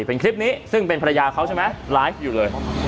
เป็นคลิปนี้ซึ่งเป็นภรรยาเขาใช่ไหมไลฟ์อยู่เลย